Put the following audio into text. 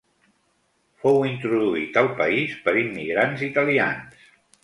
Fou introduït al país per immigrants italians.